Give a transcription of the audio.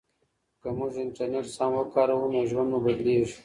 که موږ انټرنیټ سم وکاروو نو ژوند مو بدلیږي.